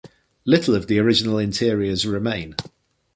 Little of the original interiors remain.